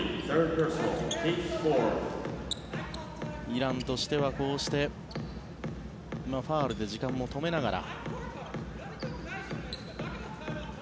イランとしてはこうしてファウルで時間も止めながら。